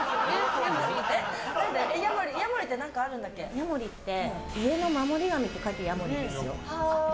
ヤモリって家の守り神って書いてヤモリですよ。